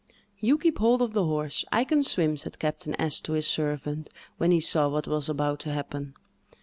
"You keep hold of the horse—I can swim," said Captain S—— to his servant, when he saw what was about to happen.